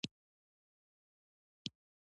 دا د انسانيت ټيټ معيار دی.